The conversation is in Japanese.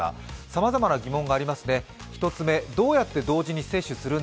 さまざまな疑問がありますね。